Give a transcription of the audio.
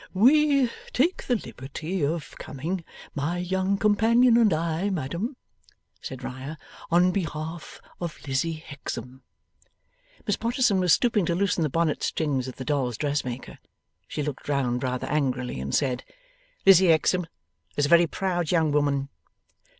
'We take the liberty of coming, my young companion and I, madam,' said Riah, 'on behalf of Lizzie Hexam.' Miss Potterson was stooping to loosen the bonnet strings of the dolls' dressmaker. She looked round rather angrily, and said: 'Lizzie Hexam is a very proud young woman.